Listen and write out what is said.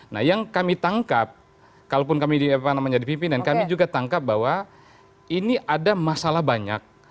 nah yang kami tangkap kalaupun kami jadi pimpinan kami juga tangkap bahwa ini ada masalah banyak